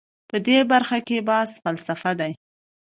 په دې برخه کې بحث فلسفي دی.